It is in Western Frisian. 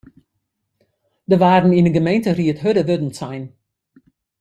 Der waarden yn de gemeenteried hurde wurden sein.